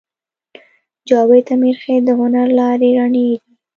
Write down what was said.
جاوید امیرخېل د هنر لارې رڼې دي